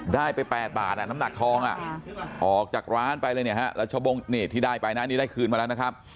ได้ไป๘บาทน้ำหนักทองออกจากร้านไปเลยเนี่ยฮะแล้วชาวบงที่ได้ไปนะนี่ได้คืนมาแล้วนะครับ